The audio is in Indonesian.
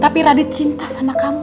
tapi radit cinta sama kamu